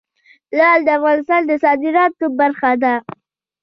لعل د افغانستان د صادراتو برخه ده.